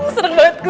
seru banget gue